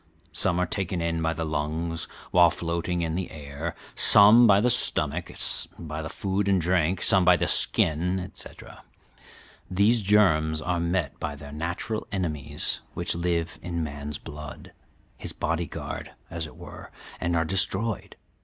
Some are taken in by the lungs, while floating in the air; some by the stomach, by the food and drink; some by the skin, etc. "These germs are met by their natural enemies which live in man's blood his body guard, as it were and are destroyed.